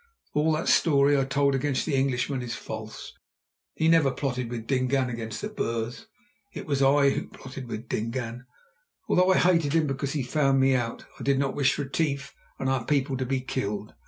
All that story I told against the Englishman is false. He never plotted with Dingaan against the Boers. It was I who plotted with Dingaan. Although I hated him because he found me out, I did not wish Retief and our people to be killed.